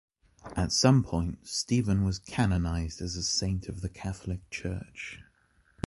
At some point, Stephen was canonized as a saint of the Catholic Church.